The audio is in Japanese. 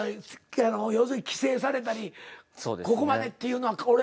あの要するに規制されたりここまでっていうのは俺。